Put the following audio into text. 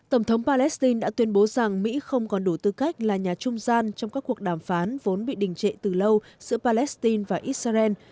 tổng thống palestine đã tuyên bố rằng mỹ không còn đủ tư cách là nhà trung gian trong các cuộc đàm phán vốn bị đình trệ từ lâu giữa palestine và israel